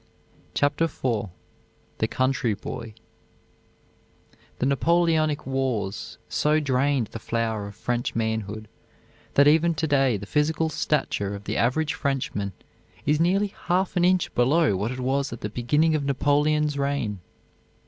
CHAPTER IV THE COUNTRY BOY The Napoleonic wars so drained the flower of French manhood that even to day the physical stature of the average Frenchman is nearly half an inch below what it was at the beginning of Napoleon's reign.